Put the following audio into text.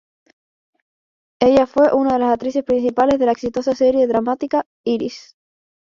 Ella fue una de las actrices principales de la exitosa serie dramática "Iris".